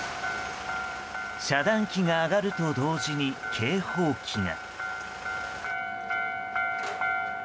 遮断機が上がると同時に警報機が。